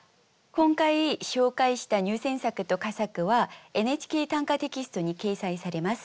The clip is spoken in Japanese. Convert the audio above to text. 今回紹介した入選作と佳作は「ＮＨＫ短歌」テキストに掲載されます。